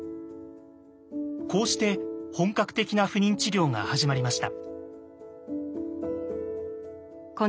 こうして本格的な不妊治療が始まりました。